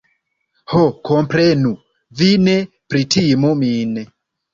Ho, komprenu, vi ne pritimu min.